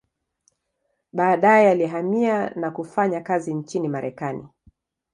Baadaye alihamia na kufanya kazi nchini Marekani.